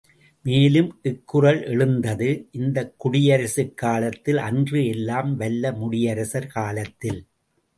மேலும் இக்குறள் எழுந்தது இந்தக் குடியரசுக் காலத்தில் அன்று எல்லாம் வல்ல முடியரசர் காலத்தில்.